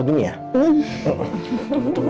tunggu tunggu tunggu